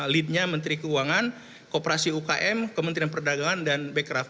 leadnya menteri keuangan kooperasi ukm kementerian perdagangan dan bekraf